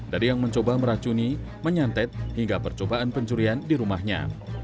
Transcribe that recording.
dari yang mencoba meracuni menyantet hingga percobaan pencurian di rumahnya